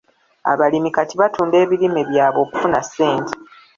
Abalimi kati batunda ebirime byabwe okufuna ssente.